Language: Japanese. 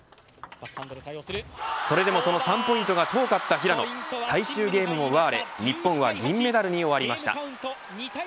それでもその３ポイントが遠かった平野最終ゲームも奪われ日本は銀メダルに終わりました。